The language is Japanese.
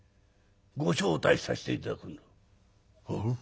ご招待させて頂くんだ」。